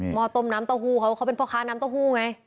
้อต้มน้ำเต้าหู้เขาเขาเป็นพ่อค้าน้ำเต้าหู้ไง